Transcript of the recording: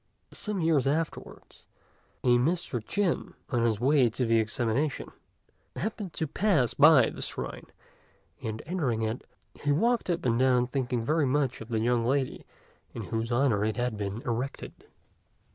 Some years afterwards, a Mr. Chin, on his way to the examination, happened to pass by the shrine; and entering in, he walked up and down thinking very much of the young lady in whose honour it had been erected.